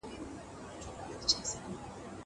زه به تمرين کړي وي!!